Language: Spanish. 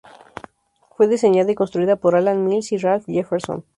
Fue diseñada y construida por Allan Mills y Ralph Jefferson.